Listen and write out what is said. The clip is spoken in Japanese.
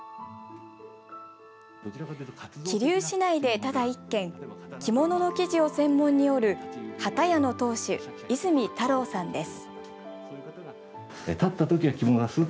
桐生市内で、ただ１軒着物の生地を専門に織る機屋の当主泉太郎さんです。